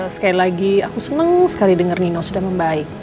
sekali lagi aku senang sekali dengar nino sudah membaik